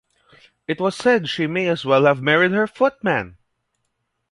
It was said she may as well have married her footman!